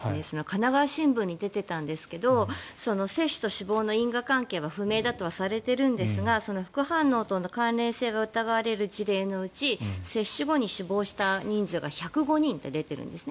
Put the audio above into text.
神奈川新聞に出ていたんですが接種と死亡の因果関係は不明だとはされているんですが副反応との関連性が疑われる事例のうち接種後に死亡した人数が１０５人と出ているんです。